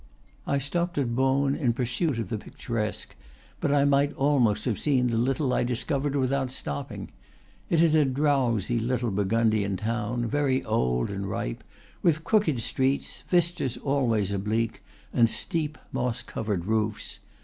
I stopped at Beaune in pursuit of the picturesque, but I might almost have seen the little I discovered without stop ping. It is a drowsy little Burgundian town, very old and ripe, with crooked streets, vistas always ob lique, and steep, moss covered roofs.